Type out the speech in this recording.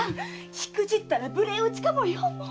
しくじったら無礼討ちかもよ！